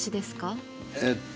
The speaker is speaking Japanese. えっとね